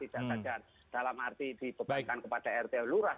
tidak saja dalam arti dibebankan kepada rt lurah